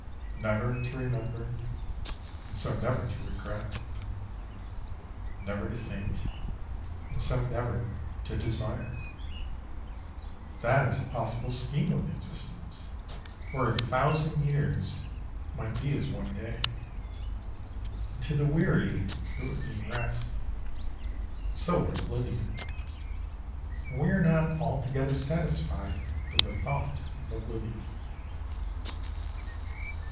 Never to remember, and so never to regret; never to think, and so never to desire that is a possible scheme of existence where a thousand years might be as one day, and to the weary it would mean rest. But so would oblivion, and we are not altogether satisfied with the thought of oblivion.